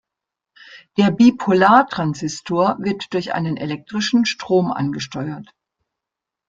Der Bipolartransistor wird durch einen elektrischen Strom angesteuert.